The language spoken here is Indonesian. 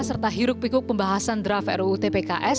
serta hiruk pikuk pembahasan draft ruu tpks